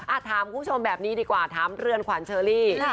ถามคุณผู้ชมแบบนี้ดีกว่าถามเรือนขวัญเชอรี่